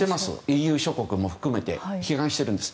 ＥＵ諸国も含めて批判してるんです。